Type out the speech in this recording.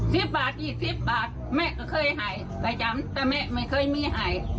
สิบบาทอีกสิบบาทแม่ก็เคยหายแต่จำแต่แม่ไม่เคยมีหาย